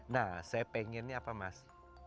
nah saya pengennya apa mas